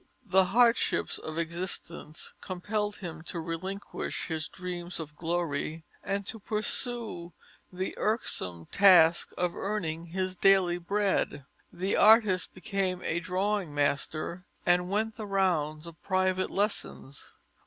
The hardships of existence compelled him to relinquish his dreams of glory and to pursue the irksome task of earning his daily bread. The artist became a drawing master and went the rounds of private lessons.